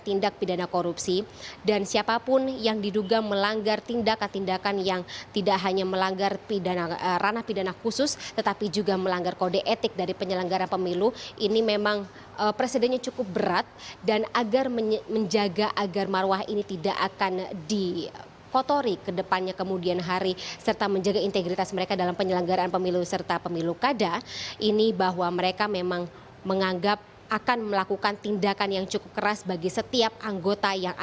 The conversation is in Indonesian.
tindakan tindakan yang tidak hanya melanggar ranah pidana khusus tetapi juga melanggar kode etik dari penyelenggara pemilu ini memang presidennya cukup berat dan agar menjaga agar maruah ini tidak akan dikotori ke depannya kemudian hari serta menjaga integritas mereka dalam penyelenggaraan pemilu serta pemilu kada ini bahwa mereka memang menganggap akan melakukan tindakan yang cukup keras bagi setiap orang